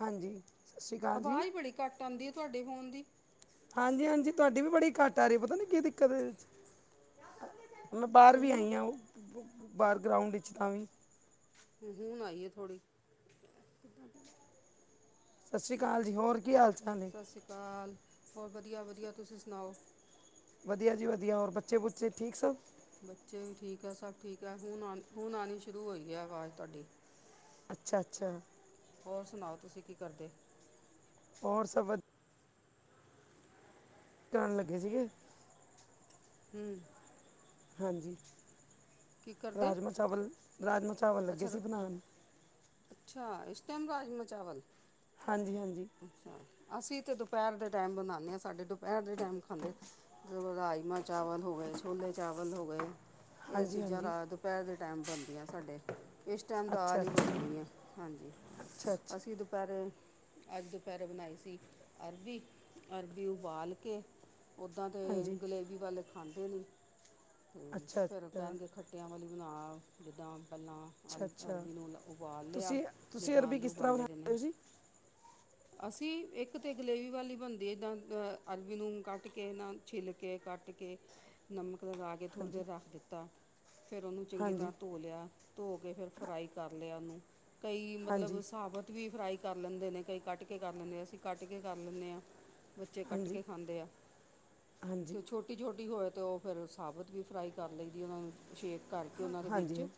ਹਾਂਜੀ ਸਤਿ ਸ਼੍ਰੀ ਅਕਾਲ ਜੀ ਆਵਾਜ਼ ਬੜੀ ਘੱਟ ਆਉਂਦੀ ਆ ਤੁਹਾਡੇ ਫੋਨ ਦੀ। ਹਾਂਜੀ-ਹਾਂਜੀ, ਤੁਹਾਡੀ ਵੀ ਬੜੀ ਘੱਟ ਆ ਰਹੀ ਪਤਾ ਨੀ ਕੀ ਦਿੱਕਤ ਇਹਦੇ ਚ? ਮੈਂ ਬਾਹਰ ਵੀ ਸਿੰਮੀ ਆਈ ਹਾਂ, ਬਾਹਰ ਗਰਾਊਂਂਡ ਵਿੱਚ ਤਾਂਵੀ। ਹੂੰ, ਹੁਣ ਆਈ ਆ ਥੋੜੀ। ਸਤਿ ਸ਼੍ਰੀ ਅਕਾਲ ਜੀ, ਹੋਰ ਕੀ ਹਾਲ ਚਾਲ? ਹੈ ਸਤਿ ਸ਼੍ਰੀ ਅਕਾਲ, ਹੋਰ ਵਧੀਆ-ਵਧੀਆ ਤੁਸੀਂ ਸੁਣਾਓ? ਵਧੀਆ ਜੀ ਵਧੀਆ, ਹੋਰ ਬੱਚੇ-ਬੁੱਚੇ ਠੀਕ ਸਭ। ਬੱਚੇ ਵੀ ਠੀਕ ਹੈ, ਸਭ ਠੀਕ ਹੈ, ਹੁਣ ਆ ਹੁਣ ਆਉਣੀ ਸ਼ੁਰੂ ਹੋਈ ਹੈ ਆਵਾਜ਼ ਤੁਹਾਡੀ। ਅੱਛਾ-ਅੱਛਾ। ਹੋਰ ਸੁਣਾਓ, ਤੁਸੀਂ ਕੀ ਕਰਦੇ? ਹੋਰ ਸਭ ਵ ਕਿ ਕਰਨ ਲੱਗੇ ਸੀਗੇ? ਹੂੰ। ਹਾਂਜੀ, ਕੀ ਕਰਦੇ ਰਾਜਮਾਂ-ਚਾਵਲ, ਰਾਜਮਾਂ-ਚਾਵਲ ਲੱਗੇ ਅੱਛਾ ਸੀ ਬਣਾਉਣ। ਅੱਛਾ, ਇਸ ਟਾਈਮ ਰਾਜਮ-ਚਾਵਲ। ਹਾਂਜੀ-ਹਾਂਜੀ। ਅੱਛਾ, ਅਸੀਂ ਤੇ ਦੁਪਹਿਰ ਦੇ ਟਾਈਮ ਬਣਾਉਂਦੇ ਹਾਂ ਸਾਡੇ ਦੁਪਹਿਰ ਦੇ ਟਾਈਮ ਖਾਂਦੇ। ਜਦੋਂ ਰਾਜਮਾਂ-ਚਾਵਲ ਹੋ ਗਏ, ਛੋਲੇ-ਚਾਵਲ ਹੋ ਗਏ। ਇਹ ਹਾਂਜੀ ਚੀਜ਼ਾਂ ਹਾਂਜੀ ਰਾਤ ਦੁਪਹਿਰ ਦੇ ਟਾਈਮ ਬਣਦੀਆਂ ਸਾਡੇ। ਇਸ ਟਾਈਮ ਦਾਲ ਅੱਛਾ ਹੀ ਅੱਛਾ ਬਣਦੀ ਹੈ ਹਾਂਜੀ, ਅੱਛਾ ਅੱਛਾ ਅਸੀਂ ਦੁਪਹਿਰੇ ਅੱਜ ਦੁਪਹਿਰੇ ਬਣਾਈ ਸੀ ਅਰਬੀ, ਅਰਬੀ ਉਬਾਲ ਕੇ ਉੱਦਾਂ ਦੇ ਹਾਂਜੀ ਗਰੇਵੀ ਵਾਲੇ ਖਾਂਦੇ ਨਹੀਂ, ਤੇ ਅੱਛਾ ਫਿਰ ਅੱਛਾ ਕਹਿਣਗੇ ਖੱਟ ਟਿਆਂ ਵਾਲੀ ਬਣਾ ਜਿੱਦਾਂ, ਪਹਿਲਾਂ ਅੱਛਾ ਅਲ ਅੱਛਾ ਅਰਬੀ ਨੂੰ ਉਬਾਲ ਲਿਆ, ਤੁਸੀਂ ਤੁਸੀਂ ਜਿੱਦਾਂ ਅਰਬੀ ਆਲੂ ਕਿਸ ਤਰ੍ਹਾਂ ਉਬਾਲੇ ਦੇਨੇ। ਬਣਾਉਂਦੇ ਹੋ ਜੀ ਅਸੀਂ ਇੱਕ ਤਾਂ ਗਰੇਵੀ ਵਾਲੀ ਬਣਦੀ ਹੈ ਇਦਾਂ ਅਰਬੀ ਨੂੰ ਕੱਟ ਕੇ ਨਾ ਛਿੱਲ ਕੇ ਕੱਟ ਕੱਟ ਕੇ ਨਮਕ ਲਗਾ ਕੇ ਥੋੜ੍ਹੀ ਹਾਂਜੀ ਦੇਰ ਰੱਖ ਦਿੱਤਾ ਫਿਰ ਉਹਨੂੰ ਚੰਗੀ ਹਾਂਜੀ ਤਰ੍ਹਾਂ ਧੋ ਲਿਆ ਧੋ ਕੇ ਫਿਰ ਫਰਾਈ ਕਰ ਲਿਆ ਉਹਨੂੰ ਕਈ ਮਤਲਬ ਹਾਂਜੀ ਸਾਬਤ ਢੀਪ ਫਰਾਈ ਕਰ ਲੈਂਦੇ ਨੇ ਕਈ ਕੱਟ ਕੇ ਕਰ ਲੈਂਦੇ ਆ, ਅਸੀਂ ਕੱਟ ਕੇ ਕਰ ਲੈਂਦੇ ਹਾਂ। ਬੱਚੇ ਕੱਟ ਹਾਂਜੀ ਕੇ ਖਾਂਦੇ ਆ, ਹਾਂਜੀ ਤੇ ਛੋਟੇ ਛੋਟੀ ਹੋਵੇ ਤੇ ਔਹ ਫਿਰ ਸਾਬਤ ਵੀ ਫਰਾਈ ਕਰ ਲਈਦੀ ਉਹਨਾਂ ਨੂੰ ਸ਼ੇਕ ਕਰਕੇ ਉਹਨਾਂ ਹਾਂਜੀ ਦੇ ਵਿੱਚ ਹਾਂਜੀ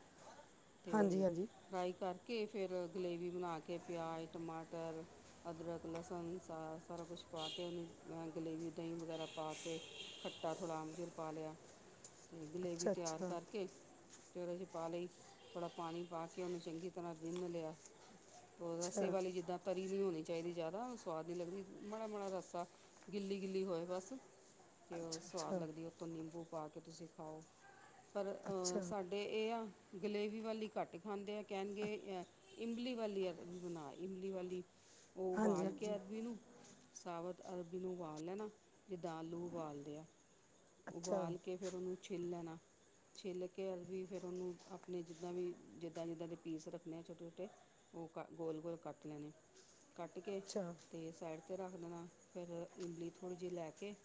ਤੇ ਹਾਂਜੀ ਹਾਂਜੀ ਫਰਾਈ ਕਰਕੇ, ਫਿਰ ਗਲੇਵੀ ਬਣਾ ਕੇ, ਪਿਆਜ਼ ਟਮਾਟਰ ਅਦਰਕ ਲਸਣ ਸਾ ਸਾਰਾ ਕੁਛ ਪਾ ਕੇ, ਉਹਨੂੰ ਮੈਂ ਗਲੇਬੀ ਦਹੀਂ ਵਗੈਰਾ ਪਾ ਕੇ ਖ ਅ ਥੋੜ੍ਹਾ ਆਮਚੁਰ ਪਾ ਲਿਆ, ਅਤੇ ਗਲੇਬੀ ਅੱਛਾ ਤਿਆਰ ਅੱਛਾ ਕਰਕੇ ਉਹਦੇ 'ਚ ਪਾ ਲਈ। ਥੋੜ੍ਹਾ ਪਾਣੀ ਪਾ ਕੇ ਉਹਨੂੰ ਚੰਗੀ ਤਰ੍ਹਾਂ ਰਿਨ ਲਿਆ, ਤੇ ਰੱਸੇ ਵਾਲੀ ਜਿੱਦਾਂ ਤਰੀ ਨੀ ਹੋਣੀ ਚਾਹੀਦੀ ਜਾਦਾ, ਔਹ ਸਵਾਦ ਨੀ ਲਗਨੀ ਮਾੜਾ ਮਾੜਾ ਰੱਸਾ ਗਿੱਲੀ-ਗਿੱਲੀ ਹੋਏ ਬਸ। ਅੱਛਾ ਤੇ ਔਹ ਸਵਾਦ ਅੱਛਾ ਲੱਗਦੀ ਉਤੋਂ ਨਿੰਬੂ ਪਾ ਕੇ ਤੁਸੀਂ ਖਾਓ ਪਰ ਅੱਛਾ ਅ ਅੱਛਾ ਸਾ ਇਹ ਆ ਗਲੇਵੀ ਵਾਲੀ ਘੱਟ ਖਾਂਦੇ ਆ ਕਹਿਣਗੇ ਐਹ ਇਮਲੀ ਵਾਲੀ ਅਰਬੀ ਬਣਾਈ, ਇਮਲੀ ਵਾਲੀ ਉਹ ਹਾਂਜੀ ਉਬਾਲ ਕੇ ਹਾਂਜੀ ਅਰਬੀ ਨੂੰ ਸਾਵਤ ਅਰਬੀ ਨੂੰ ਉਬਾਲ ਲੈ ਨਾ, ਜਿੱਦਾ ਆਲੂ ਉਬਾਲਦੇ ਆ। ਅੱਛਾ ਉਬਾਲ ਕੇ ਫਿਰ ਉਹਨੂੰ ਛਿੱਲ ਲੈਣਾ। ਛਿੱਲ ਕੇ ਵੀ ਫਿਰ ਔਹਨੂੰ ਆਪਣੇ ਜਿੱਦਾਂ ਵੀ ਜਿੱਦਾਂ, ਜਿੱਦਾਂ ਦੇ ਪੀਸ ਰੱਖਣੇ ਆ ਛੋਟੇ ਛੋਟੇ ਔਹ ਕ ਗੋਲ ਗੋਲ ਕੱਟ ਲੈਣੇ, ਕੱਟ ਕੇ ਅੱਛਾ। ਤੇ ਸਾਈਡ ਤੇ ਰੱਖ ਦੇਣਾ, ਫਿਰ ਇਮਲੀ ਥੋੜ੍ਹੀ ਜਿਹੀ ਲੈ ਕੇ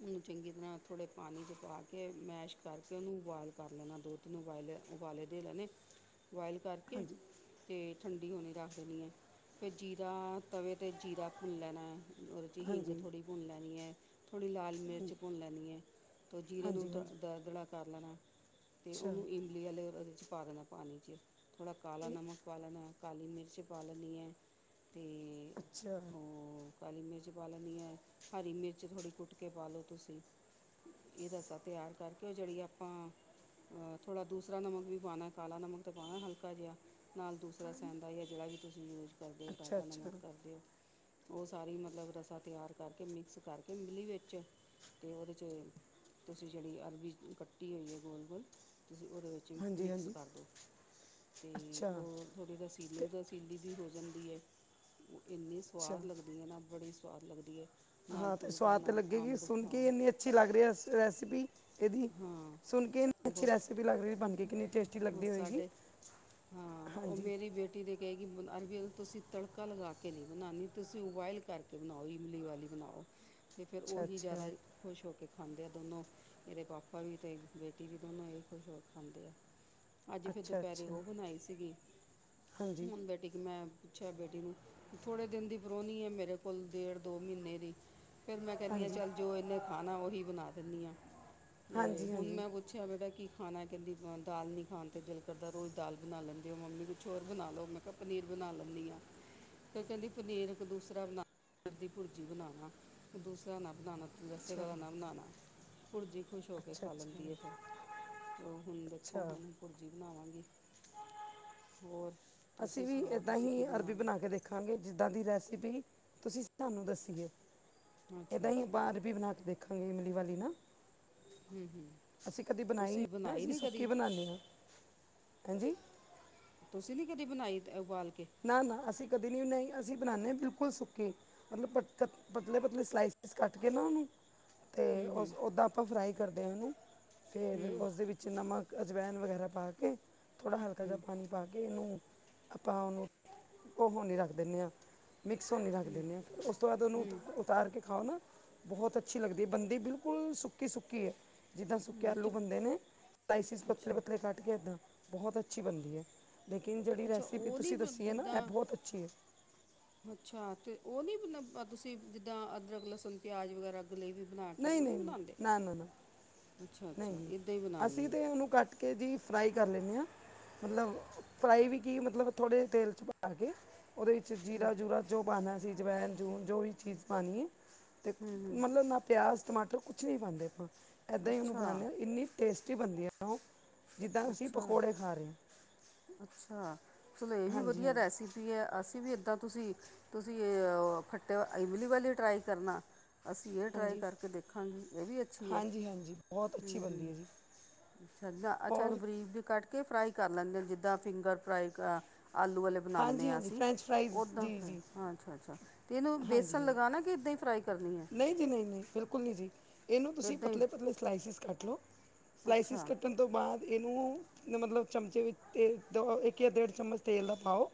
ਉਹਨੂੰ ਚੰਗੀ ਤਰ੍ਹਾਂ ਥੋੜ੍ਹੇ ਪਾਣੀ 'ਚ ਪਾ ਕੇ, ਮੈਸ਼ ਕਰਕੇ, ਔਹਨੂੰ ਉਬਾਲ ਕਰ ਲੈਣਾ, ਦੋ ਤਿੰਨ ਉਬਾਲੇ ਉਬਾਲੇ ਦੇ ਲੈਣੇ ਬੁਆਇਲ ਕਰਕੇ ਹਾਂਜੀ ਤੇ ਠੰਡੀ ਹੋਣੀ ਰੱਖ ਦੇਣੀ ਹੈ। ਫਿਰ ਜੀਰਾ ਤਵੇ 'ਤੇ ਜੀਰਾ ਭੁੰਨ ਲੈਣਾ ਹੈ। ਔਦੇ 'ਚ ਹੀਗ ਹਾਂਜੀ ਥੋੜੀ ਭੁੰਨੀ ਲੈਣੀ ਹੈ, ਥੋੜੀ ਲਾਲ ਮਿਰਚ। ਭੁੰਨ ਲੈਣੀ ਏ ਤੇ, ਜੀਰੇ ਨੂੰ ਹਾਂਜੀ ਹਾਂਜੀ ਦਰ ਦੜਾ ਕਰ ਲੈਣਾ ਤੇ ਅੱਛਾ ਔਨੂੰ ਇਮਲੀ ਵਾਲੇ ਉਹਦੇ 'ਚ ਪਾ ਦੇਣਾ ਪਾਣੀ 'ਚ ਥੋੜਾ ਕਾਲਾ ਇਹ ਨਮਕ ਕਾਲਾ ਨਮਕ, ਕਾਲੀ ਮਿਰਚ ਪਾਲਣੀ ਏ ਤੇ ਅਛਾ ਹਮ ਕਾਲੀ ਮਿਰਚ ਪਾ ਲੈਣੀ ਏ, ਹਰੀ ਮਿਰਚ ਥੋੜ੍ਹੀ ਕੁੱਟ ਕੇ ਪਾ ਲਓ ਤੁਸੀਂ ਇ ਦਾ ਰਸਾਂ ਤਿਆਰ ਕਰਕੇ, ਜਿਹੜੀ ਆਪਾਂ ਅ ਥੋੜ੍ਹਾ ਦੂਸਰਾ ਨਮਕ ਵੀ ਪਾਉਣਾ, ਕਾਲਾ ਨਮਕ ਤਾਂ ਪਾਉਣਾ ਹਲਕਾ ਜਿਹਾ ਨਾਲ ਦੂਸਰਾ ਸੈਂਦਾ ਯਾਂ ਜਿਹੜਾ ਵੀ ਤੁਸੀਂ ਯੂਜ ਕਰਦੇ ਹੋ ਅੱਛਾ ਟਾਟਾ ਅੱਛਾ ਨਮਕ ਕਰਦੇ ਹੋ। ਔਹ ਸਾਰੀ ਮਤਲਬ ਰਸਾਂ ਤਿਆਰ ਕਰਕੇ, ਮਿਕਸ ਕਰਕੇ, ਇਮਲੀ ਵਿੱਚ ਤੇ ਉਹਦੇ 'ਚ ਤੁਸੀਂ ਜਿਹੜੀ ਅਰਬੀ ਕੱਟੀ ਹੋਈ ਹੈ। ਗੋਲ ਗੋਲ ਤੁਸੀਂ ਔਹਦੇ ਵਿੱ ਚ ਹਾਂਜੀ ਮਿਕਸ ਹਾਂਜੀ ਕਰ ਦੋ ਤੇ ਅੱਛਾ ਔਹ ਥੋੜ੍ਹੀ ਤੇ ਰਸੀਲੇ ਰਸੀਲੀ ਵੀ ਹੋ ਜਾਂਦੀ ਹੈ। ਔਹ ਇੰਨੀ ਅੱਛਾ ਸਵਾਦ ਲੱਗਦੀ ਹੈ ਨਾ ਬੜੀ ਸਵਾਦ ਲੱਗਦੀ ਏ। ਹਾਂ ਤੇ ਸਵਾਦ ਤਾਂ ਲੱਗੇਗੀ, ਸੁਣ ਕੇ ਇੰਨੀ ਅੱਛੀ ਲੱਗ ਰਹੀ ਹੈ। ਰੈਸਿਪੀ ਏਦੀ ਹਾਂ ਸੁਣ ਕੇ ਇੰਨੀ ਅੱਛੀ ਬਹੁ ਰੈਸਪੀ ਲੱਗ ਰਹੀ ਬਣ ਕੇ ਕਿੰਨੀ ਟੇਸਟੀ ਉਹ ਲੱਗਦੀ ਹੋਏਗੀ। ਸਾਡੇ ਹਾਂ ਮੇਰੀ ਬੇਟੀ ਤੇ ਕਹੇਗੀ ਅਰਬੀ ਤੁਸੀਂ ਤੜਕਾ ਲਗਾ ਕੇ ਨਹੀਂ ਬਣਾਉਦੇ ਤੁਸੀਂ ਉਬਇਲ ਕਰਕੇ ਬਣਾਓ ਇਮਲੀ ਵਾਲੀ ਬਣਾਓ, ਤੇ ਫੇਰ ਅੱਛਾ ਔਹੀ ਅੱਛਾ ਜ਼ਿਆਦਾ ਖੁਸ਼ ਹੋ ਕੇ ਖਾਂਦੇ ਦੋਨੋ ਏਦੇ ਪਾਪਾ ਵੀ ਤੇ, ਬੇਟੀ ਵੀ ਦੋਨੋ ਏਹ ਖੁਸ਼ ਹੋ ਕੇ ਖਾਂਦੇ ਆ। ਅੱਜ ਫਿਰ ਅੱਛਾ ਦੁਪਹਿਰੇ ਅੱਛਾ ਔਹ ਬਣਾਈ ਸੀਗੀ। ਹਾਂਜੀ ਹੁਣ ਬੇਟੀੇ ਤੇਮੈਂ ਅੱਛਾ ਬੇਟੀ ਨੂੰ, ਥੋੜ੍ਹੇ ਦਿਨ ਦੀ ਪ੍ਰੋਣੀ ਹੈ। ਮੇਰੇ ਕੋਲ ਡੇਢ ਦੋ ਮਹੀਨੇ ਦੀ ਫਿਰ ਮੈਂ ਕੈੰਦੀ ਹਾਂ ਹਾਂਜੀ ਚੱਲ ਜੋ ਇਹਨੇ ਖਾਣਾ ਉਹੀ ਬਣਾ ਦਿੰਦੀ ਆ, ਅਤੇ ਹਾਂਜੀ ਹੁਣ ਹਾਂਜੀ ਮੈਂ ਪੁ ਪੁੱਛਿਆ ਬੇਟਾ, ਕੀ ਖਾਣਾ ਕੈੰਦੀ ਦਾਲ ਨੀ ਖਾਣ ਤੇ ਦਿਲ ਕਰਦਾ, ਰੋਜ਼ ਦਾਲ ਬਣਾ ਲੈਂਦੇ ਹੋ ਮੰਮੀ ਕੁਛ ਹੋਰ ਬਣਾ ਲਓ ਮੈਂ ਤ ਪਨੀਰ ਬਣਾ ਲੈਂਦੀ ਆ ਤੇ ਕੈੰਦੀ ਪਨੀਰ ਇੱਕ ਦੂਸਰਾ ਬਣਾ ਰ ਦੀ ਭੁਰਜੀ ਬਣਾਉਣਾ ਤੇ ਦੂਸਰਾ ਨਾ ਬਣਾਣਾ। ਲੱਸੇ ਅੱਛਾ ਤਰਾਂ ਨਾ ਬਣਾਣਾ, ਪੁਰਜੀ ਖੁਸ਼ ਹੋ ਕੇ ਅੱਛਾ ਖਾ ਅੱਛਾ ਲੈਂਦੀ ਏ ਫੇਰ। ਔਹ ਹੁਣ ਦੇਖੋ ਅੱਛਾ ਹੁਣ ਭੁਰਜੀ ਬਣਾਵਾਂਗੀ, ਹੋਰ ਤੁਸੀਂ ਅਸੀਂ ਵੀ ਸੁਣਾਓ ਇੱਦਾਂ ਤੁਸੀਂ ਕੀ ਹੀ ਅਰਬੀ ਬਣਾ ਕੇ ਲਿਆ ਦੇਖਾਂਗੇ ਜਿੱਦਾਂ ਦੀ ਰੈਸਪੀ ਤੁਸੀਂ ਸਾਨੂੰ ਦੱਸੀ ਏ। ਅੱਛਾ ਏਦਾਂ ਹੀ ਅੱਛਾ ਬਾਂਰ ਬੀ ਬਣਾ ਕੇ ਦੇਖਾਂਗੇ ਇਮਲੀ ਵਾਲੀ ਨਾ। ਅਸੀਂ ਕਦੇ ਬਣਾਈ ਨਹੀਂ ਅਸੀਂ ਸੁੱਕੀ ਬਣਾਦੇ ਹਾਂ ਹਾਂਜੀ। ਤੁਸੀਂ ਨੀ ਕਦੀ ਬਣਾਈ ਉਬਾਲ ਕੇ ਨਾ ਨਾ ਅਸੀਂ ਕਦੇ ਨਹੀਂ ਬਣਾਈ, ਅਸੀਂ ਬਣਾਉਂਦੇ ਬਿਲਕੁਲ ਸੁੱਕੀ। ਮਤਲਬ ਪਤਲੇ ਪਤਲੇ ਸਲਾਈਸ ਕੱਟ ਕੇ ਨਾ ਉਹਨੂੰ ਅਤੇ ਹੂੰ ਹੂੰ ਉਸ ਉੱਦਾਂ ਆਪਾਂ ਫਰਾਈ ਕਰਦੇ ਹਾਂ ਉਹਨੂੰ ਫਿਰ ਹੂੰ ਉਸਦੇ ਵਿੱਚ ਨਮਕ ਅਜਵੈਣ ਵਗੈਰਾ ਪਾ ਕੇ ਥੋੜ੍ਹਾ ਹਲਕਾ ਜਿਹਾ ਹੂੰ ਪਾਣੀ ਪਾ ਕੇ ਇਹਨੂੰ ਆਪਾਂ ਉਹਨੂੰ ਉਹ ਹ ਨਹੀਂ ਰੱਖ ਦਿੰਦੇ ਹਾਂ ਮਿਕਸ ਹੋ ਨਹੀਂ ਰੱਖ ਦਿੰਦੇ ਹਾਂ ਫਿਰ ਉਸ ਤੋਂ ਬਾਅਦ ਉਹਨੂੰ ਹੂੰ, ਤਾਂ ਉਤਾਰ ਕੇ ਖਾਓ ਨਾ ਬਹੁਤ ਅੱਛੀ ਲਗਦੀ ਹੈ, ਬੰਦੀ ਬਿਲਕੁਲ ਸੁੱਕੀ- ਸੁੱਕੀ ਏ। ਜਿੱਦਾਂ ਸੁੱਕੇ ਹੂੰ ਆਲੂ ਤੇ- ਬਣਦੇ ਨੇ, ਸਲਾਈਸਿਸ ਪਤਲੇ - ਅੱਛਾ ਪਤਲੇ ਕੱਟ ਕੇ ਇੱਦਾਂ ਬਹੁਤ ਅੱਛੀ ਬਣਦੀ ਹੈ। ਲੇਕਿਨ ਤੇ ਜਿਹੜੀ ਅੱਛਾ ਰੈਸਿਪੀ ਉਹ ਨਹੀਂ ਤੁਸੀਂ ਦੱਸੀ ਏ ਨਾ ਜਿੱਦਾਂ ਇਹ ਬਹੁਤ ਅੱਛੀ ਹੈ। ਅੱਛਾ ਤੇ ਉਹ ਨੀ, ਤੁਸੀਂ ਜਿੱਦਾਂ ਅਦਰਕ, ਲਸਣ, ਪਿਆਜ, ਵਗੈਰਾ। ਜਲੇਬੀ ਬਣਾ ਕੇ ਉਹ ਨਹੀਂ ਬਣਾਉਂਦੇ ਅੱਛਾ, ਅੱਛਾ ਨਹੀਂ ਨਹੀਂ ਇਹੱਦਾਂ ਹੀ ਬਣਾਉਣੀ ਅਸੀਂ ਏ। ਤੇ ਉਹਨੂੰ ਕੱਟ ਕੇ ਜੀ ਫਰਾਈ ਕਰ ਲੈਂਣੇ ਆ। ਮਤਲਬ ਫਰਾਈ ਵੀ ਕੀ ਮਤਲਬ ਥੋੜੇਹੇ ਤੇਲ ' ਪਾ ਕੇ ਉਹਦੇ ਵਿੱਚ ਜੀਰਾ ਜੂਰਾ ਜੋ ਪਾਉਣਾ ਸੀ, ਜਵਾਇਨ ਜੋ ਵੀ ਚੀਜ਼ ਪਾਣੀ ਹੈ। ਮਤਲਬ ਨਾ ਪਿਆਜ਼ ਟਮਾਟਰ ਕੁਛ ਨਹੀਂ ਪਾਉਂਦੇ ਆਪਾਂ। ਦਹੀਂ ਉਹਨੂੰ ਅੱਛਾ ਬਣਾਉਂਦੇ ਹਾਂ ਇੰਨੀ ਟੇਸਟੀ ਬਣਦੀ ਹੈ, ਉਹ ਜਿੱਦਾਂ ਅਸੀਂ ਅੱਛਾ ਪਕੌੜੇ ਖਾ ਰਹੇ ਹਾਂ। ਅੱਛਾ, ਚਲੋ ਇਹ ਵੀ ਹਾਂਜੀ ਵਧੀਆ ਹਾਂਜੀ ਰਹਿ ਸੀ ਵੀ ਹੈ ਅਸੀਂ ਵੀ ਇੱਦਾਂ ਤੁਸੀਂ - ਤੁਸੀਂ ਖੱਟੇ ਇਮਲੀ ਵੀ ਟਰਾਈ ਕਰਨਾ। ਅਸੀਂ ਇਹ ਟਰਾਈ ਹਾਂਜੀ ਕਰਕੇ ਦੇਖਾਂਗੇ ਇਹ ਵੀ ਅੱਛੀ ਹੈ। ਹਾਂਜੀ ਹਾਂਜੀ ਬਹੁਤ ਅੱਛੀ ਬਣਦੀ ਹੈ ਜੀ ਅੱਛਾ - ਅੱਛਾ ਇਹਨੂੰ ਹੋਰ ਫਰੀਜ ਕੱਢ ਕੇ ਫਰਾਈ ਕਰ ਲੈਂਦੇ ਆ ਜਿੱਦਾਂ ਫਿੰਗਰ ਫਰਾਈ ਆਲੂ ਵਾਲੇ ਬਣਾਨੇ ਹਾਂਜੀ ਆਂ ਹਾਂਜੀ ਅਸੀ, ਫਰੈਂਚ ਫਰਾਈਜ਼ ਓਦਾਂ ਜੀ ਫਿਰ ਜੀ ਅੱਛਾ-ਅੱਛਾ। ਤੇ ਇਹਨੂੰ, ਹਾਂਜੀ ਵੇਸਨ ਹਾਂਜੀ ਲਗਾਨਾ ਕਿ ਏਦਾਂ ਈ ਫ੍ਰਾਈ ਕਰਨੀ ਐਂ? ਨਹੀਂ ਜੀ ਨਹੀਂ -ਨਹੀਂ ਬਿਲਕੁਲ ਨਹੀਂ ਜੀ। ਇਹਨੂੰ ਤੁਸੀਂ ਇੱਦਾਂ ਹੀ ਪਤਲੇ- ਪਤਲੇ ਸਲਾਈਸਿਸ ਕੱਟ ਲਓ, ਸਲਾਈਸਿਸ ਅੱਛਾ ਕੱਟੋ ਕੱਟਣ ਤੋਂ ਬਾਅਦ ਇਹਨੂੰ ਮਤਲਬ ਚਮਚੇ ਵਿੱਚ ਤੇ ਇੱਕ ਜਾਂ ਡੇਢ ਚਮਚ ਤੇਲ ਦਾ ਪਾਓ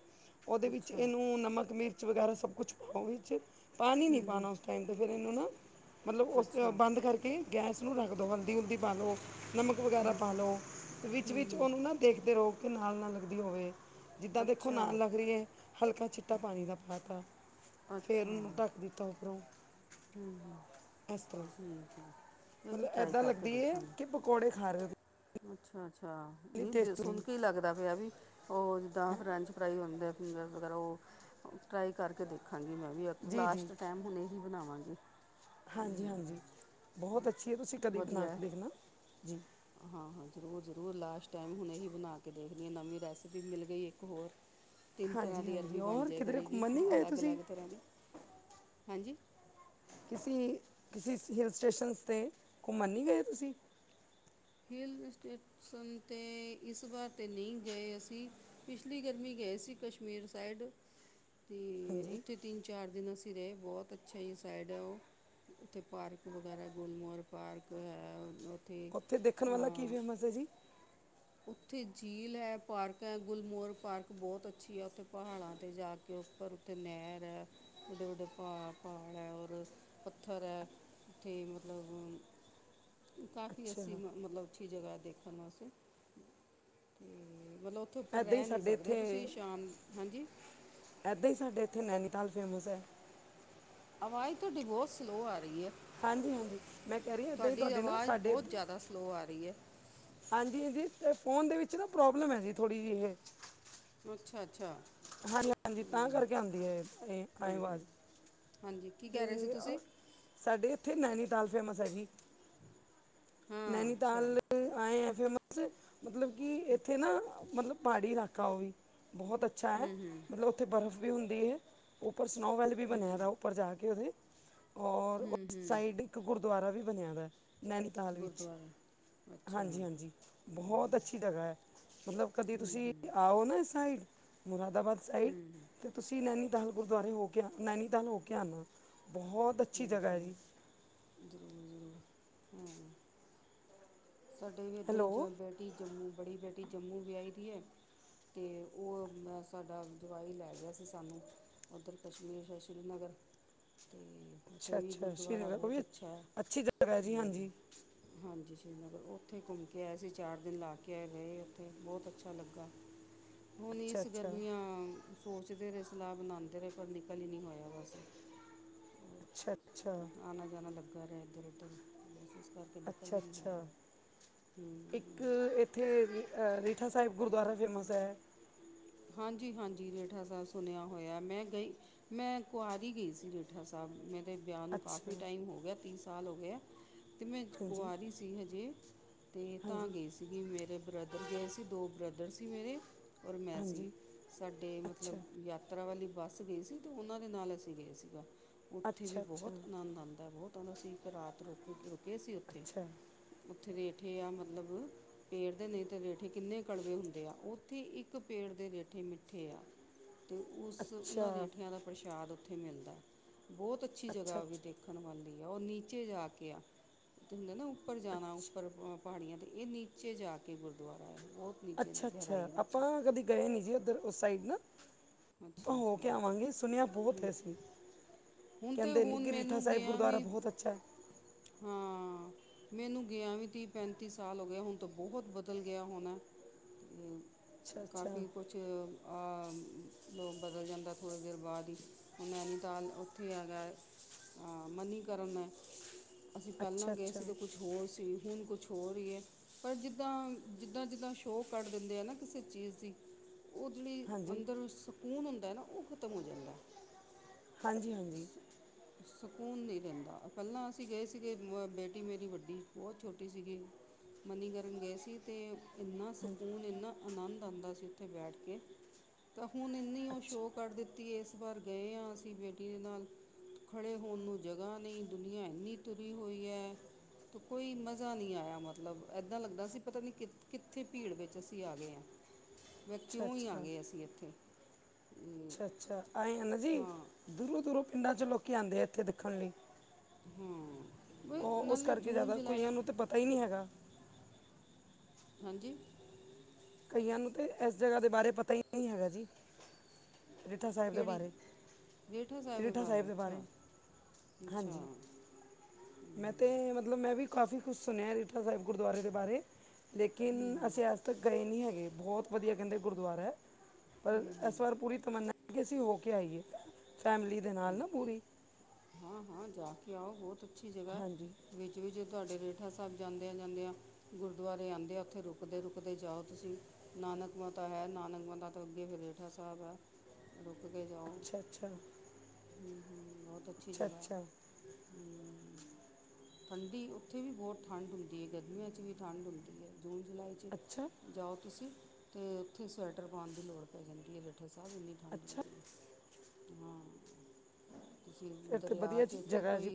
ਉਹਦੇ ਵਿੱਚ ਅੱਛਾ ਇਹਨੂੰ ਨਮਕ ਮਿਰਚ ਵਗੈਰਾ ਸਭ ਕੁਛ ਪਾਓ ਵਿੱਚ ਪਾਣੀ ਨਹੀਂ ਪਾਉਣਾ ਉਸ ਟਾਈਮ ਤੇ ਫੇਰ ਇਹਨੂੰ ਨਾ, ਮਤਲਬ ਉਸ ਅੱਛਾ ਬੰਦ ਕਰਕੇ ਗੈਸ ਨੂੰ ਰੱਖ ਦਿਉ ਹਲਦੀ- ਹੁਲਦੀ ਪਾ ਲਉ। ਨਮਕ ਵਗੈਰਾ ਪਾ ਲਓ, ਤੇ ਵਿੱਚ ਹੂੰ -ਵਿੱਚ ਉਹਨੂੰ ਨਾ ਦੇਖਦੇ ਰਹੋ ਕਿ ਨਾਲ ਨਾ ਲੱਗਦੀ ਹੋਵੇ। ਜਿੱਦਾਂ ਦੇਖੋ ਅੱਛਾ ਨਾਲ ਲੱਗ ਰਹੀ ਹੈ ਹਲਕਾ ਛਿੱਟਾ ਪਾਣੀ ਦਾ ਪਾ ਤਾ ਫੇਰ ਉਹਨੂੰ ਢੱਕ [unintelligible] ਹੂੰ। ਅਸਤਾਂ। ਹੂੰ। ਮਤਲਬ ਏਦਾਂ ਲੱਗਦੀਏ ਕਿ ਪਕੌੜੇ ਖਾ ਰਹੇ ਹੋ। ਅੱਛਾ-ਅੱਛਾ ਤੁਸੀਂ ਨਈ ਟੇਸਟ ਸੁਣ ਕੇ ਹੀ ਲੱਗਦਾ ਪਿਆ ਵੀ ਉਹ ਜਿੱਦਾਂ ਫਰੈਂਚ ਫਰਾਈ ਹੁੰਦੇ ਆ ਫਿੰਗਰ ਵਗੈਰਾ ਉਹ ਟਰਾਈ ਕਰਕੇ ਦੇਖਾਂਗੀ ਮੈਂ ਵੀ ਜੀ ਜੀ ਲਾਸਟ ਟਾਇਮ ਹੁਣ ਇਹੀ ਬਨਾਵਾਂਗੀ। ਹਾਂਜੀ- ਹਾਂਜੀ, ਬਹੁਤ ਅੱਛੀ ਹੈ। ਤੁਸੀਂ ਕਦੀ ਪਨਾ ਕੇ ਦੇਖਣਾ ਜੀ। ਹਾਂ- ਹਾਂ ਜ਼ਰੂਰ-ਜ਼ਰੂਰ ਲਾਸਟ ਟਾਈਮ ਹੁਣ ਇਹੀ ਬਣਾ ਕੇ ਦੇਖਦੀ ਹਾਂ। ਨਵੀਂ ਰੈਸਪੀ ਮਿਲ ਗਈ ਇੱਕ ਹੋਰ। ਤਿੰਨ ਤਰ੍ਹਾਂ ਹਾਂਜੀ ਦੀ ਹਾਂਜੀ ਅਰਬੀ ਬਣ ਔਰ ਜਾਏ ਕਿਧਰੇ ਕਰੇਗੀ ਘੁੰਮਣ ਨਹੀਂ ਗਏ ਅਲੱਗ - ਤੁਸੀਂ ਅਲੱਗ ਤਰ੍ਹਾਂ ਦੀ ਹਾਂਜੀ। ਤੁਸੀਂ ਕਿਸੇ ਹਿਲ ਸਟੇਸ਼ਨ 'ਤੇ ਘੁੰਮਣ ਨਹੀਂ ਗਏ ਤੁਸੀਂ। ਹਿਲ ਸਟੇਸ਼ਨ 'ਤੇ ਇਸ ਵਾਰ 'ਤੇ ਨਹੀਂ ਗਏ ਅਸੀ। ਪਿਛਲੀ ਗਰਮੀ ਗਏ ਸੀ ਕਸ਼ਮੀਰ ਸਾਈਡ ਤੇ ਹਾਂਜੀ ਉੱਥੇ ਤਿੰਨ-ਚਾਰ ਦਿਨ ਅਸੀਂ ਰਹੇ, ਬਹੁਤ ਅੱਛਾ ਈ ਸਾਈਡ ਹੈ ਉਹ। ਉੱਥੇ ਪਾਰਕ ਵਗੈਰਾ ਗੁਲਮਰ ਪਾਰਕ ਹੈ ਉੱਥੇ। ਉੱਥੇ ਦੇਖਣ ਵਾਲਾ ਕੀ ਫੇਮਸ ਹੈ ਜੀ? ਉੱਥੇ ਝੀਲ ਹੈ, ਪਾਰਕ ਹੈ, ਗੁਲਮੋਰਗ ਪਾਰਕ ਬਹੁਤ ਅੱਛੀ ਹੈ ਉੱਥੇ ਪਹਾੜਾਂ ਤੇ ਜਾ ਕੇ ਉੱਪਰ। ਤੇ ਨਹਿਰ ਹੈ, ਵੱਡੇ- ਵੱਡੇ ਪ ਪਹਾੜ ਹੈ ਔਰ ਪੱਥਰ ਹੈ। ਉੱਥੇ ਮਤਲਬ ਕਾਫੀ ਅੱਸੀ ਅੱਛਾ ਮਤਲਬ ਅੱਛੀ ਜਗ੍ਹਾ ਦੇਖਣ ਵਾਸਤੇ ਮਤਲਬ ਉੱਥੇ ਉੱਪਰ ਐਦਾਂ ਹੀ ਰਹਿ ਨਹੀਂ ਸਾਡੇ ਸਕਦੇ ਇੱਥੇ ਤੁਸੀਂ ਸ਼ਾਮ ਹਾਂਜੀ ਐਦਾਂ ਈ ਸਾਡੇ ਇੱਥੇ ਨੈਨੀਤਾਲ ਫੇਮਸ ਹੈ। ਅਵਾਜ਼ ਥੋਡੀ ਬਹੁਤ ਸਲੋ ਆ ਰਹੀ ਹੈ। ਹਾਂਜੀ - ਹਾਂਜੀ ਮੈਂ ਕਹਿ ਰਹੀ ਇੱਦਾਂ ਹੀ ਤੁਹਾਡੇ ਨਾ ਸਾਡੇ ਲੋਅ ਆ ਰਹੀ ਏ। ਹਾਂਜੀ - ਹਾਂਜੀ ਤੇ ਫੋਨ ਦੇ ਵਿੱਚ ਨਾ ਪ੍ਰੋਬਲਮ ਹੈ ਜੀ ਥੋੜ੍ਹੀ ਜਿਹੀ ਇਹ ਅੱਛਾ - ਅੱਛਾ। ਹਾਂਜੀ - ਹਾਂਜੀ ਇਹ ਤਾਂ ਕਰਕੇ ਆਉਂਦੀ ਹੈ ਆਏ ਹੂੰ ਹੂੰ। ਆਵਾਜ਼ ਹਾਂਜੀ। ਕੀ ਕਹਿ ਰਹੇ ਸੀ ਤੇ ਅ, ਤੁਸੀਂ ਸਾਡੇ ਇੱਥੇ ਨੈਨੀਤਾਲ ਫੇਮਸ ਹੈ ਜੀ। ਹਾਂ ਅੱਛਾ ਨੈਨੀਤਾਲ ਐਏਂ ਆ, ਫੇਮ- ਮਤਲਬ ਕਿ ਇੱਥੇ ਨਾ ਮਤਲਬ ਪਹਾੜੀ ਇਲਾਕਾ ਉਹ ਵੀ ਬਹੁਤ ਅੱਛਾ ਅੱਛਾ ਹੈ ਹੂੰ ਹੂੰ ਮਤਲਬ ਉੱਥੇ ਬਰਫ਼ ਵੀ ਹੁੰਦੀ ਹੈ ਉੱਪਰ ਸਨੋ ਵੈਲ ਵੀ ਬਣਿਆ ਹੂੰ ਦਾ ਉਹ ਉੱਪਰ ਜਾ ਕੇ ਉਹਦੇ ਔਰ ਹੂੰ ਉਸ ਹੂੰ ਸਾਈਡ ਇੱਕ ਗੁਰਦੁਆਰਾ ਵੀ ਬਣਿਆ ਦਾ ਨੈਨੀਤਾਲ ਵਿੱਚ। ਹਾਂਜੀ ਗੁਰਦੁਆਰਾ - ਅੱਛਾ ਹੂੰ ਹਾਂਜੀ ਬਹੁਤ ਅੱਛਾ। ਜਗਾ ਹੈ ਮਤਲਬ ਕਦੇ ਤੁਸੀਂ ਹੂੰ ਆਓ ਨਾ ਸਾਈਡ ਮੁਰਾਦਾਬਾਦ ਸਾਈਡ ਹੂੰ ਤੇ ਤੁਸੀਂ ਨੈਨੀਤਾਲ ਗੁਰਦੁਆਰੇ ਹੋ ਕੇ ਆ ਨੈਨੀਤਾਲ ਹੋ ਕੇ ਆਣਾ। ਬਹੁਤ ਅੱਛੀ ਜਗ੍ਹਾ ਹੈ ਜੀ [inaudible] ਹਾਂ ਸਾਡੇ ਵੀ ਇਦਾਂ ਜ ਹੈਲੋ ਬੇਟੀ ਜੰਮੂ ਬੜੀ ਬੇਟੀ ਜੰਮੂ ਵਿਆਹੀ ਦੀ ਹੈ। ਅਤੇ ਉਹ ਸਾਡਾ ਜਵਾਈ ਲੈ ਗਿਆ ਸੀ ਸਾਨੂੰ। ਉੱਧਰ ਕਸ਼ਮੀਰ ਏ ਸ਼੍ਰੀਨਗਰ। ਤੇ, ਅੱਛਾ ਉੱਥੇ ਵੀ ਅੱਛਾ ਸ਼੍ਰੀ ਗੁਰਦੁਆਰਾ ਨਗਰ ਉਹ ਵੀ ਬਹੁਤ ਅੱਛਾ ਹੈ, ਅੱਛੀ ਜਗ੍ਹਾ ਹੈ ਜੀ ਹਾਂਜੀ ਤੇ ਹਾਂਜੀ ਜ੍ਰੀ ਉੱਥੇ ਘੁੰਮਕੇ ਆਏ ਸੀ, ਚਾਰ ਦਿਨ ਲਾਕੇ ਆਏ, ਰਹੇ ਉੱਥੇ‌‌‌‌, ਬਹੁਤ ਅੱਛਾ ਲੱਗਾ। ਹੁਣ ਅੱਛਾ ਇਸ ਅੱਛਾ ਗਰਮੀਆਂ ਸੋਚਦੇ ਰਹੇ ਸਲਾਹ ਬਣਾਉਂਦੇ ਰਹੇ, ਪਰ ਨਿਕਲ ਹੀ ਨਹੀਂ ਹੋਇਆ, ਬਸ। ਅੱਛਾ ਅੱਛਾ ਆਨਾ-ਜਾਨਾ ਲੱਗਾ ਰਿਹਾ ਇੱਧਰ-ਉੱਧਰ, ਬਸ ਇਸ ਕਰਕੇ। ਨਿਕਲ ਅੱਛਾ ਹੀ ਨਹੀਂ ਅੱਛਾ ਹੋਇਆ ਹੂੰ ਇੱਕ ਇੱਥੇ ਅ ਰੀਠਾ ਸਾਹਿਬ ਗੁਰਦੁਆਰਾ ਫੇਮਸ ਹੈ ਹਾਂਜੀ ਹਾਂਜੀ ਰੀਠਾ ਸਾਹਿਬ ਸੁਣਿਆ ਹੋਇਆ, ਮੈਂ ਗਈ ਮੈਂ ਕੁਆਰੀ ਗਈ ਸੀ ਰੀਠਾ ਸਾਹਿਬ, ਮੇਰੇ ਵਿਆਹ ਨੂੰ ਅੱਛਾ ਕਾਫੀ ਟਾਈਮ ਹੋ ਗਿਆ, ਤੀਹ ਸਾਲ ਹੋ ਗਿਆ। ਤੇ ਮੈਂ ਹਾਂਜੀ ਕੁਆਰੀ ਸੀ ਹਜੇ, ਤੇ ਤਾਂ ਹਾਂਜੀ ਗਏ ਸੀ ਗੀ ਮੇਰੇ ਬ੍ਰਦਰ ਗਏ ਸੀ, ਦੋ ਬ੍ਰਦਰ ਸੀ ਮੇਰੇ, ਓਰ ਮੈਂ ਸੀ। ਹਾਂਜੀ ਸਾਡੇ ਮਤਲਬ ਅੱਛਾ ਯਾਤਰਾ ਵਾਲੀ ਬੱਸ ਗਈ ਸੀ, ਤੇ ਉਹਨਾਂ ਦੇ ਨਾਲ ਅਸੀਂ ਗਏ ਸੀਗਾ ਉੱਥੇ ਵੀ ਅੱਛਾ ਬਹੁਤ ਅੱਛਾ ਅਨੰਦ ਆਂਦਾ‌, ਬਹੁਤ ਆਂਦਾ ਸੀ, ਇੱਕ ਰਾਤ ਰੁਕ, ਰੁਕੇ ਸੀ ਉੱਥੇ। ਅੱਛਾ ਉੱਥੇ ਦੇ ਏਠੇ ਆ ਮਤਲਬ ਪੇੜ ਦੇ ਨਹੀਂ ਤੇ ਰੇਠੇ ਕਿੰਨੇ ਕੜਵੇ ਹੁੰਦੇ ਆ, ਓਥੇ ਇੱਕ ਪੇੜ ਦੇ ਰੇਠੇ ਮਿੱਠੇ ਆ, ਅਤੇ ਉਸ ਉਹਨਾਂ ਅੱਛਾ ਰੇਠਿਆਂ ਦਾ ਪ੍ਰਸ਼ਾਦ ਉੱਥੇ ਮਿਲਦਾ, ਬਹੁਤ ਅੱਛੀ ਅੱਛਾ ਜਗ੍ਹਾ ਉਹ ਵੀ ਅੱਛਾ ਦੇਖ ਰਖਣ ਵਾਲੀ ਆ, ਉਹ ਨੀਚੇ ਜਾਕੇ ਆ, ਤੇ ਹੁੰਦੇ ਨਾ ਉੱਪਰ ਅੱਛ ਜਾਣਾ, ਉੱਪਰ ਪਹਾੜੀਆਂ 'ਤੇ ਇਹ ਨੀਚੇ ਜਾ ਕੇ ਗੁਰਦੁਆਰਾ ਹੈ, ਬਹੁਤ ਨੀਚੇ ਨ- ਅੱਛਾ ਗਹਿਰਾਈ ਅੱਛਾ, ਵਿੱਚ ਆਪਾਂ ਨਾ ਕਦੇ ਗਏ ਨਹੀਂ ਜੀ, ਉੱਧਰ ਉਸ ਸਾਈਡ ਨਾ ਆਪਾ ਅੱਛਾ ਹੋ ਅੱਛਾ ਕੇ ਹਮ, ਆਵਾਂਗੇ, ਸੁਣਿਆ ਬਹੁਤ ਏ ਅਸੀਂ। ਹੁਣ ਤੇ ਕਹਿੰਦੇ ਹੁਣ ਨੀ ਰੀਠਾ ਮੈਨੂੰ ਸਾਹਿਬ ਗਿਆ ਗੁਰਦੁਆਰਾ ਵੀ ਬਹੁਤ ਅੱਛਾ ਹੈ। ਹਾਂ। ਮੈਨੂੰ ਗਿਆ ਵੀ ਤੀਹ ਪੈਂਤੀ ਸਾਲ ਹੋ ਗਏ, ਹੁਣ ਤ ਬਹੁਤ ਬਦਲ ਗਿਆ ਹੋਣਾ ਤੇ, ਅੱਛਾ ਅੱਛਾ ਕਾਫੀ਼ ਕੁਛ ਆ। ਲੋਕ ਬਦਲ ਜਾਂਦਾ ਥੋੜ੍ਹੇ ਦੇਰ ਬਾਅਦ ਹੀ, ਹੁਣ ਨੈਨੀਤਾਲ ਉੱਥੇ ਹੈਗਾ। ਹਾਂ ਮਨੀਕਰਨ ਐ, ਅਸੀਂ ਪਹਿਲਾਂ ਅੱਛਾ ਗਏ ਅੱਛਾ ਸੀ ਤੇ ਕੁਛ ਹੋਰ ਸੀ, ਹੁਣ ਕੁਛ ਹੋਰ ਰਹੀ ਹੈ ਪਰ ਜਿੱਦਾਂ, ਜਿੱਦਾਂ-ਜਿੱਦਾਂ ਸ਼ੋਅ ਕੱਢ ਦਿੰਦੇ ਆ ਨਾ ਕਿਸੇ ਚੀਜ਼ ਦੀ। ਉਹ ਜਿਹੜੀ, ਹਾਂਜੀ ਅੰਦਰ ਸਕੂਨ ਹੁੰਦਾ ਏ ਨਾ ਉਹ ਖਤਮ ਹੋ ਜਾਂਦੈ। ਹਾਂਜੀ ਸ। ਹਾਂਜੀ [unintelligible] ਸਕੂਨ ਨਹੀਂ ਰਹਿੰਦਾ, ਪਹਿਲਾਂ ਅਸੀਂ ਗਏ ਸੀਗੇ, ਬੇਟੀ ਮੇਰੀ ਵੱਡੀ ਬਹੁਤ ਛੋਟੀ ਸੀਗੀ। ਮਨੀਕਰਨ ਗਏ ਸੀ, ਤੇ ਇੰਨਾ ਸਕੂਨ, ਇੰਨਾ ਅਨੰਦ ਆਂਦਾ ਸੀ, ਉੱਥੇ ਬੈਠਕੇ। ਹੁਣ ਇੰਨੀ ਉਹ ਅੱਛਾ ਸ਼ੋਅ ਕੱਢ ਦਿੱਤੀ ਏ, ਇਸ ਵਾਰ ਗਏ ਆਂ, ਅਸੀਂ ਬੇਟੀ ਦੇ ਨਾਲ ਖੜੇ ਹੋਣ ਨੂੰ ਜਗ੍ਹਾ ਨਹੀਂ, ਦੁਨੀਆਂ ਇੰਨੀ ਤੁਰੀ ਹੋਈ ਹੈ। ਤ ਕੋਈ ਮਜ਼ਾ ਨਹੀਂ ਆਇਆ, ਮਤਲਬ ਇੱਦਾਂ ਲੱਗਦਾ ਸੀ, ਅਸੀਂ ਪਤਾ ਨਹੀਂ ਕਿ ਕਿੱਥੇ ਭੀੜ ਵਿੱਚ ਅਸੀਂ ਆ ਗਏ ਹਾਂ ਫੇਰ ਅੱਛਾ ਕਿਉਂ ਹੀ ਆ ਅੱਛਾ ਗਏ, ਅਸੀਂ ਇੱਥੇ ਅਮ, ਅੱਛਾ ਅੱਛਾ, ਆਏ ਆ ਨਾ ਜੀ, ਹਾਂ ਦੂਰੋਂ - ਦੂਰੋਂ। ਪਿੰਡਾਂ'ਚੋਂ ਲੋਕੀ ਆਂਦੇ ਆ, ਇੱਥੇ ਦੇਖਣ ਲਈ। ਹਾਂ, ਵਈ ਉਹ ਉਸ ਨਾਲੇ ਕਰਕੇ ਜੂਨ, ਜ਼ਿਆਦਾ ਜੁਲਾਈ। ਕਈਆਂ ਨੂੰ ਤਾਂ ਪਤਾ ਹੀ ਨਹੀਂ ਹੈਗਾ ਹਾਂਜੀ ਕਈਆਂ ਨੂੰ ਤੇ, ਐਸ ਜਗ੍ਹਾ ਦੇ ਬਾਰੇ ਪਤਾ ਹੀ ਨਹੀਂ ਹੈਗਾ ਜੀ ਰੀਠਾ ਸਾਹਿਬ ਦੇ ਕਿਹੜੀ ਬਾਰੇ, ਰੀਠਾ ਸਾਹਿਬ ਦੇ ਬਾਰੇ। ਅੱਛਾ! ਹਾਂਜੀ ਮੈਂ ਤੇ, ਮਤਲਬ ਮੈਂ ਵੀ ਕਾਫੀ ਕੁਛ ਸੁਣਿਆ ਰੀਠਾ ਸਾਹਿਬ ਗੁਰਦੁਆਰੇ ਦੇ ਬਾਰੇ ਲੇਕਿਨ ਅਸੀਂ ਅੱਜ ਤੱਕ ਗਏ ਨਹੀਂ ਹੈਗੇ, ਬਹੁਤ ਵਧੀਆ ਕਹਿੰਦੇ ਗੁਰਦੁਆਰਾ ਹੈ ਪਰ ਹੂੰ ਹੂੰ ਇਸ ਵਾਰ ਪੂਰੀ ਤਮੰਨਾ ਸੀ ਕਿ ਅਸੀਂ ਹੋ ਕੇ ਆਈਏ, ਫੈਮਿਲੀ ਦੇ ਨਾਲ ਨਾ ਪੂਰੀ ਹਾਂ-ਹਾਂ, ਜਾਕੇ ਆਓ, ਬਹੁਤ ਅੱਛੀ ਜਗਾ ਹਾਂਜੀ ਏ। ਵਿੱਚ ਵੀ ਜੇ ਤੁਹਾਡੇ ਰੀਠਾ ਸਾਹਿਬ ਜਾਂਦਿਆਂ ਜਾਂਦਿਆਂ ਗੁਰਦੁਆਰੇ ਆਉਂਦੇ ਆ, ਉੱਥੇ ਰੁਕਦੇ ਰੁਕਦੇ ਜਾਓ ਤੁਸੀਂ ਨਾਨਕ ਮਾਤਾ ਹੈ, ਨਾਨਕ ਮਾਤਾ ਤੋ ਅੱਗੇ ਫਿਰ ਰੀਠਾ ਸਾਹਿਬ ਹੈ, ਰੁਕ ਕੇ ਜਾ ਅੱਛਾ-ਅੱਛਾ! ਹਮ, ਬਹੁਤ ਅੱਛੀ ਜਗਹ ਹੈ ਅੱਛਾ ਠੰਡੀ, ਉੱਥੇ ਵੀ ਬਹੁਤ ਠੰਡ ਹੁੰਦੀ ਹੈ, ਗਰਮੀਆਂ ਚ ਵੀ ਠੰਢ ਹੁੰਦੀ ਹੈ, ਜੂਨ ਜੁਲਾਈ ਅੱਛਾ ਜਾਓ ਤੁਸੀਂ, ਤੇ ਉੱਥੇ ਸਵੈਟਰ ਪਾਉਣ ਦੀ ਲੋੜ ਪੈ ਜਾਂਦੀ ਹੈ, ਰੀਠਾ ਸਾਹਿਬ, ਇੰਨੀ ਠੰਡ ਹੁੰਦੀ ਅੱਛਾ ਹਾਂ ਤੇ ਫਿਰ ਦਰਿਆ ਵਧੀਆ 'ਚ ਜੀ- ਇੱਥੇ ਜਗ੍ਹਾ ਹੈ ਜੀ ਕੋਈ